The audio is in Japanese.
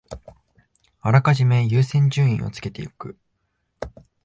あらかじめ優先順位をつけておく